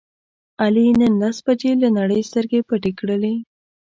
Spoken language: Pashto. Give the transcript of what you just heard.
علي نن لس بجې له نړۍ سترګې پټې کړلې.